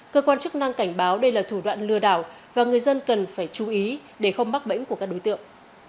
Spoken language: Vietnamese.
cơ quan chức năng cảnh báo đây là thủ đoạn lừa đảo và người dân cần phải chú ý để không bắt bẫy của các đối tượng